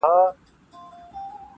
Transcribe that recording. خو بڼه يې بدله سوې ده,